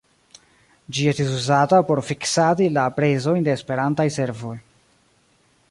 Ĝi estis uzata por fiksadi la prezojn de Esperantaj servoj.